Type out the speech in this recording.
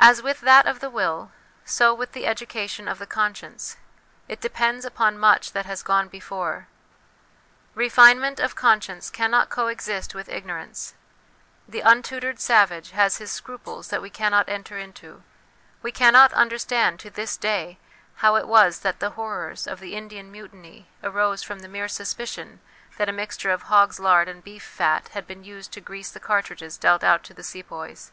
As with that of the will, so with the education of the conscience ; it depends upon much that has gone before. Refine ment of conscience cannot coexist with ignorance. The untutored savage has his scruples that we cannot enter into ; we cannot understand to this day how it was that the horrors of the Indian Mutiny arose from the mere suspicion that a mixture of hog's lard and beef fat had been used to grease the cartridges dealt out to the Sepoys.